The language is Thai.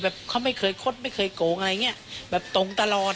เขาไม่เคยคดไม่เคยโกงอะไรอย่างเงี้ยแบบตรงตลอด